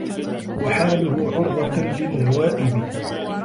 وَحَالُهُ عُرْضَةً لِلنَّوَائِبِ